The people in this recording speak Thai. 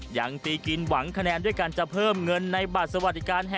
ยังตีกินหวังคะแนนด้วยการจะเพิ่มเงินในบัตรสวัสดิการแห่ง